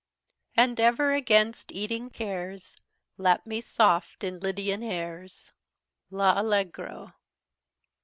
And ever against eating cares, Lap me in soft Lydian airs." _L'Allegro.